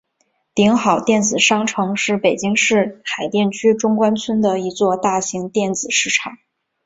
鼎好电子商城是北京市海淀区中关村的一座大型电子市场。